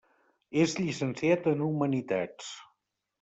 És llicenciat en Humanitats.